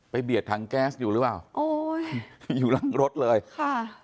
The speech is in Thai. เบียดถังแก๊สอยู่หรือเปล่าโอ้ยอยู่หลังรถเลยค่ะ